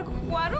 aku ke warung